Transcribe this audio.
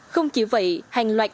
không chỉ vậy hàng loạt